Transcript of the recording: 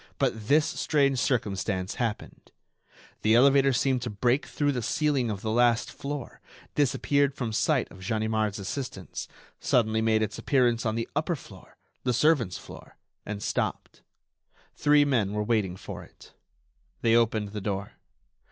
But this strange circumstance happened: The elevator seemed to break through the ceiling of the last floor, disappeared from the sight of Ganimard's assistants, suddenly made its appearance on the upper floor—the servants' floor—and stopped. Three men were there waiting for it. They opened the door.